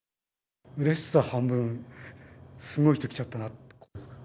うれしさ半分、すごい人来ちゃったなって。